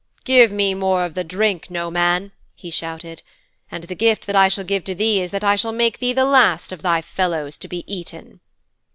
"' '"Give me more of the drink, Noman," he shouted. "And the gift that I shall give to thee is that I shall make thee the last of thy fellows to be eaten."'